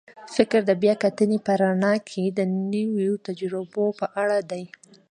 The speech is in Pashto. فکر د بیا کتنې په رڼا کې د نویو تجربو په اړه دی.